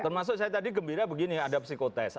termasuk saya tadi gembira begini ada psikotest